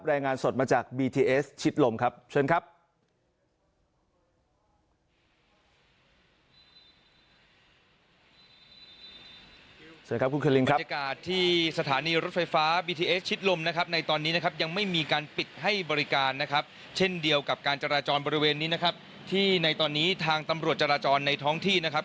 เราไปดูว่าผีกนั้นบรรยากาศหรือว่ากลุ่มผู้ชมนุม